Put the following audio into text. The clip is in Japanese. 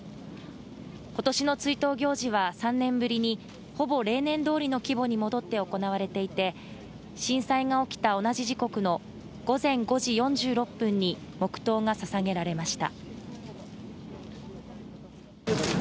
今年の追悼行事は３年ぶりに、ほぼ例年どおりの規模に戻って行われていて、震災が起きた同じ時刻の午前５時４６分に黙とうがささげられました。